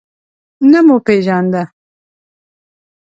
نه مو پیژانده.